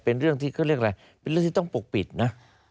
เป็นเรื่องที่เขาเรียกอะไรเป็นเรื่องที่ต้องปกปิดนะ